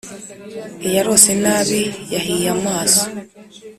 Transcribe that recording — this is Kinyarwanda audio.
Iyarose nabi yahiy'amaso